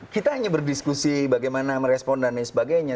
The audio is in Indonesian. kita hanya berdiskusi bagaimana merespon dan lain sebagainya